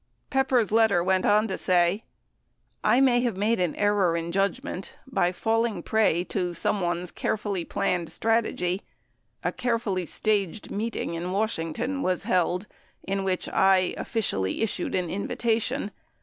Pepper's letter went on to say, "... I may 1 have made an error in judgment by falling prey to someone's carefully planned strat egy ... a carefully staged meeting in Washington w T as held in which I 'officially' issued an invitation.